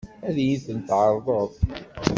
Ad iyi-ten-tɛeṛḍeḍ?